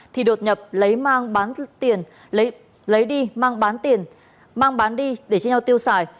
thì đột nhập lấy đi mang bán đi để cho nhau tiêu xài